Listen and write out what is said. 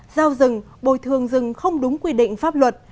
giao rừng bồi thường rừng không đúng quy định pháp luật